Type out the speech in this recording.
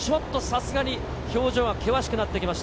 さすがに表情は険しくなってきました。